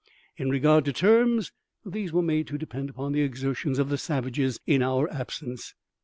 In regard to terms, these were made to depend upon the exertions of the savages in our absence.